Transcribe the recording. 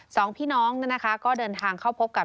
สองพี่น้องนะคะก็เดินทางเข้าพบกับ